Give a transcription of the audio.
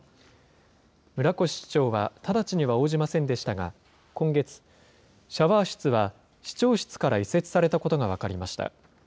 村越市長は直ちには応じませんでしたが、今月、シャワー室は市長室から移設されたことが分かりました。